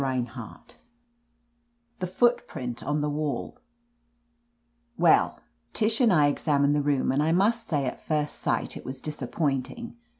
4 CHAPTER IV THE TOOTPRINT ON THE WALL WELL, Tish and I examined the room, and I must say at first sight it was disappointing.